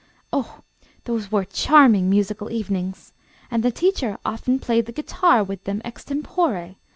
Oh, those were charming musical evenings! And the teacher often played the guitar with them extempore.